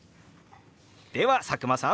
では佐久間さん